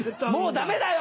ダメだよ！